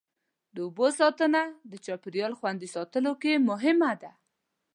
د اوبو ساتنه د چاپېریال خوندي ساتلو کې مهمه ده.